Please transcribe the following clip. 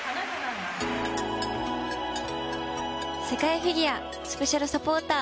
世界フィギュアスペシャルサポーター